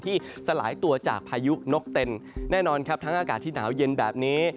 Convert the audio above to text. สลายตัวจากพายุนกเต็นแน่นอนครับทั้งอากาศที่หนาวเย็นแบบนี้